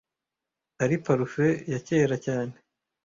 ari parufe ya kera cyane